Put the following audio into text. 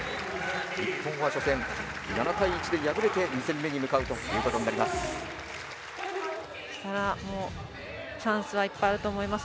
日本は初戦、７対１で敗れて２戦目に向かうということになります。